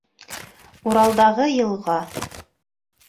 Уралдағы йылға.